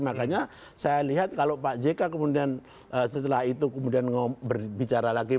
makanya saya lihat kalau pak jk kemudian setelah itu kemudian berbicara lagi